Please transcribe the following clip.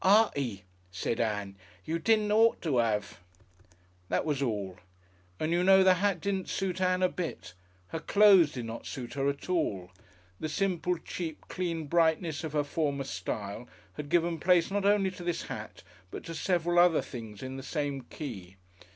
"Artie," said Ann, "you didn't ought to 'ave " That was all. And you know, the hat didn't suit Ann a bit. Her clothes did not suit her at all. The simple, cheap, clean brightness of her former style had given place not only to this hat, but to several other things in the same key.